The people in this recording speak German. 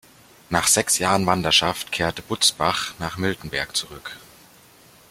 Nach sechs Jahren Wanderschaft kehrte Butzbach nach Miltenberg zurück.